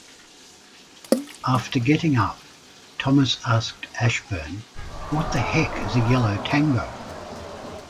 After getting up Thomas asked Ashburn, What the heck is a Yellow Tango?